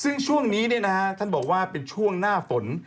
ซึ่งช่วงนี้ท่านบอกว่าเป็นช่วงหน้าฝน